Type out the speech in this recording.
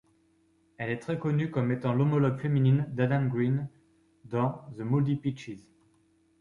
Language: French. Elle est très connue comme étant l'homologue féminine d'Adam Green dans The Moldy Peaches.